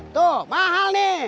tuh mahal nih